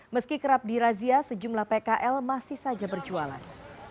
meski kerap dirazia sejumlah pkl masih saja berjualan